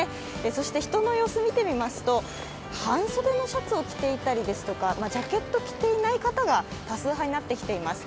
そして人の様子を見てみますと半袖のシャツを着ていたりですとかジャケットを着ていない方が多数派になってきています。